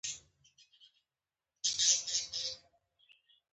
هغه کلمه چې حس کېدونکي او نه حس کېدونکي څیزونه نوموي نوم بلل کېږي.